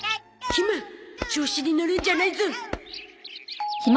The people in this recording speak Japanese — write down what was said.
ひま調子にのるんじゃないゾ